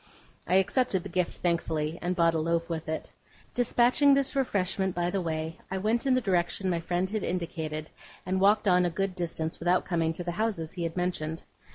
I accepted the gift thankfully, and bought a loaf with it. Dispatching this refreshment by the way, I went in the direction my friend had indicated, and walked on a good distance without coming to the houses he had mentioned.